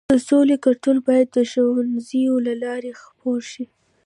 د سولې کلتور باید د ښوونځیو له لارې خپور شي.